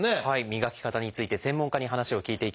磨き方について専門家に話を聞いていきましょう。